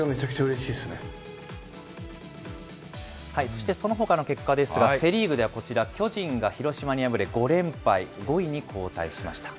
そしてそのほかの結果ですが、セ・リーグではこちら、巨人が広島に敗れ、５連敗、５位に後退しました。